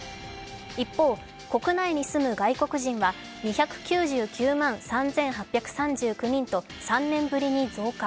一方、国内に住む外国人は２９９万３８３９人と３年ぶりに増加。